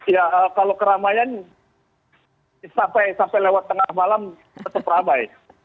ya kalau keramaian sampai lewat tengah malam tetap ramai